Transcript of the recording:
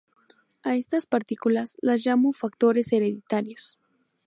A estas "partículas" las llamó factores hereditarios.